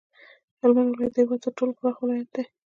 هلمند ولایت د هیواد تر ټولو پراخ ولایت دی